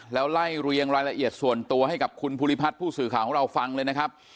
แล้วไล่เรียงรายละเอียดส่วนตัวให้กับคุณภูริพัฒน์ผู้สื่อข่าวของเราฟังเลยนะครับ